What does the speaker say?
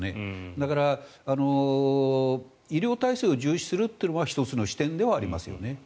だから、医療体制を重視するというのは１つの視点ではありますよね。